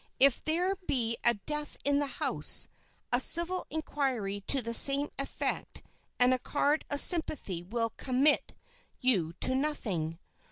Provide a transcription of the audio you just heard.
If there be a death in the house, a civil inquiry to the same effect and a card of sympathy will "commit" you to nothing.